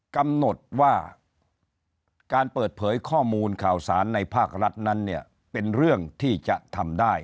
กำหนดว่าการเปิดเผยข้อมูลข่าวสารในภาครัฐนั้นเนี่ยเป็นเรื่องที่จะทำได้